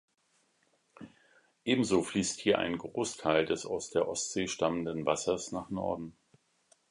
Ebenso fließt hier ein Großteil des aus der Ostsee stammenden Wassers nach Norden.